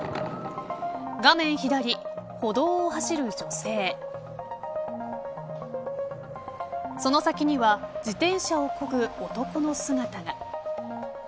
画面左、歩道を走る女性その先には自転車をこぐ男の姿が。